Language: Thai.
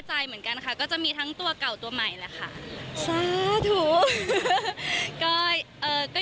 จริงเหรอค่ะก็ยังมีทั้งตัวเก่าตัวใหม่อยู่นะคะ